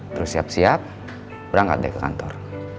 terus siap siap berangkat dari ke kantor